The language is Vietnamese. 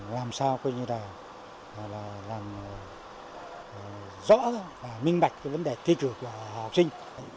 làm sao có như là rõ và minh mạch vấn đề thi trường của học sinh